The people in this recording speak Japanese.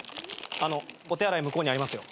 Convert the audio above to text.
お手洗い向こうにありますよ。